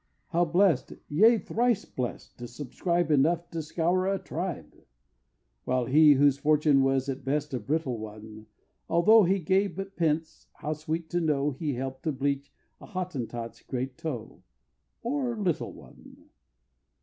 How blessed yea, thrice blessed to subscribe Enough to scour a tribe! While he whose fortune was at best a brittle one, Although he gave but pence, how sweet to know He helped to bleach a Hottentot's great toe, Or little one!